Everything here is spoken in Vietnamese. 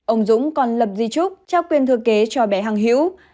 ông dũng còn lập di trúc trao quyền thừa kế cho bé hằng hữu